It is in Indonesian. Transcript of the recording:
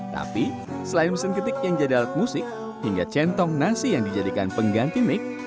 tapi selain mesin ketik yang jadi alat musik hingga centong nasi yang dijadikan pengganti mic